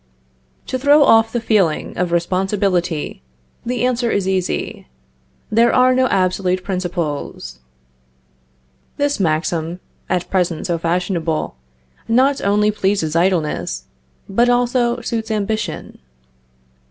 To throw off the feeling of responsibility, the answer is easy: There are no absolute principles. This maxim, at present so fashionable, not only pleases idleness, but also suits ambition.